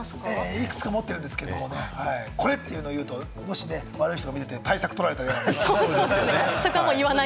いくつか持ってるんですけれど、これというのを言うと、もし悪い人が見てて対策取られたら嫌なので。